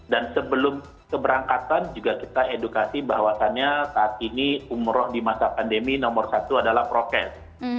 dan sebelum keberangkatan juga kita edukasi bahwasannya saat ini umroh di masa pandemi nomor satu adalah prokes